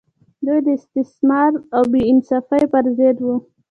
دوی د استثمار او بې انصافۍ پر ضد وو.